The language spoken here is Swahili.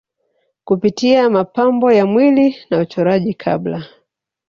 kupitia mapambo ya mwili na uchoraji Kabla